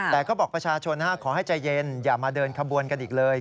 แต่ก็บอกประชาชนขอให้ใจเย็นอย่ามาเดินขบวนกันอีกเลย